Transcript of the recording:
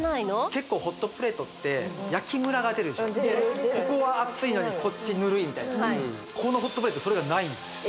結構ホットプレートってここは熱いのにこっちぬるいみたいなこのホットプレートそれがないんです